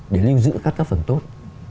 để lưu giữ các tác phẩm tốt